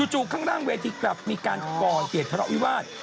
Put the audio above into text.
จู่ข้างล่างเวทีกลับมีการกรเกตธรรมวิวาส